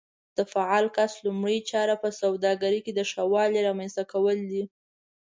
د فعال کس لومړۍ چاره په سوداګرۍ کې د ښه والي رامنځته کول وي.